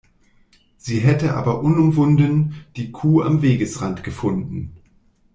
Sie hätte aber unumwunden, die Kuh am Wegesrand gefunden.